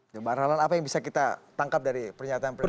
coba rahlan apa yang bisa kita tangkap dari pernyataan presiden